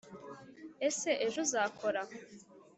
ese ejo uzakora?